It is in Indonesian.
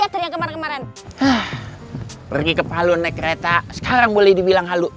saya salah karena telah